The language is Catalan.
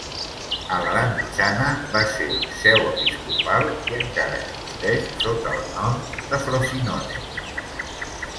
A l'edat mitjana va ser seu episcopal i encara existeix sota el nom de Frosinone.